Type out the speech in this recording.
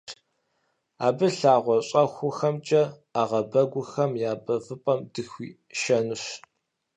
Абы лъагъуэ щэхухэмкӀэ ӏэгъэбэгухэм я бэвыпӀэм дыхуишэнущ.